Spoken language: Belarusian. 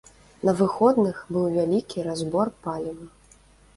На выходных быў вялікі разбор паліва.